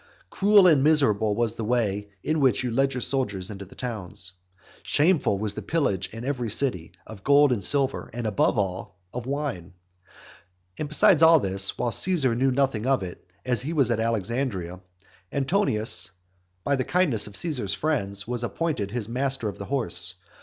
Cruel and miserable was the way in which you led your soldiers into the towns; shameful was the pillage in every city, of gold and silver, and above all, of wine. And besides all this, while Caesar knew nothing about it, as he was at Alexandria, Antonius, by the kindness of Caesar's friends, was appointed his master of the horse.